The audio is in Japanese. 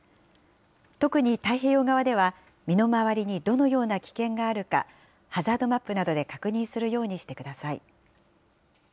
特に太平洋側では、身の回りにどのような危険があるか、ハザードマップなどで確認す